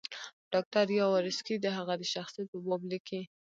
ډاکټر یاورسکي د هغه د شخصیت په باب لیکي.